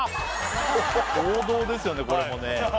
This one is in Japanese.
王道ですよねこれもね